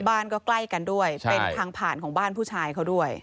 บ้านก็ใกล้กันด้วยเป็นทางผ่านของบ้านผู้ชายเขาด้วย